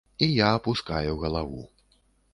І я апускаю галаву.